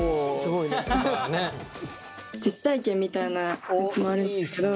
実体験みたいなやつもあるんですけど。